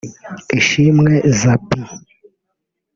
Ishimwe Zappy